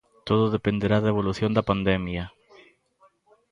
Todo dependerá da evolución da pandemia.